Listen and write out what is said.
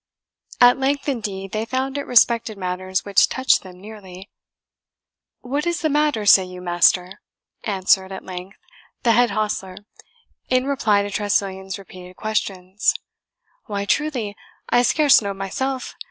At length, indeed, they found it respected matters which touched them nearly. "What is the matter, say you, master?" answered, at length, the head hostler, in reply to Tressilian's repeated questions. "Why, truly, I scarce know myself.